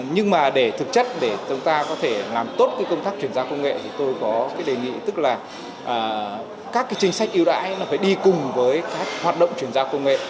nhưng mà để thực chất để chúng ta có thể làm tốt công tác chuyển gia công nghệ thì tôi có đề nghị tức là các chính sách yêu đãi phải đi cùng với các hoạt động chuyển gia công nghệ